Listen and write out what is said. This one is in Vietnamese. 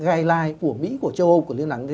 gai lai của mỹ của châu âu của liên lạc